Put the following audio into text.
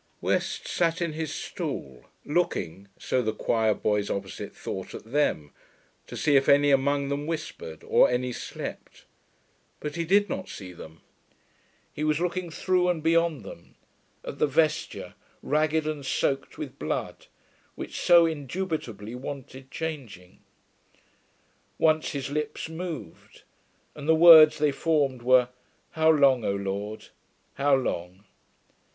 West sat in his stall, looking, so the choirboys opposite thought, at them, to see if any among them whispered, or any slept. But he did not see them. He was looking through and beyond them, at the vesture, ragged and soaked with blood, which so indubitably wanted changing. Once his lips moved, and the words they formed were: 'How long, O Lord, how long?'